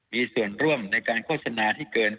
มีส่วนร่วมในการโฆษณาที่เกิน